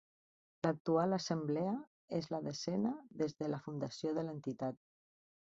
L'actual Assemblea és la desena des de la fundació de l'entitat.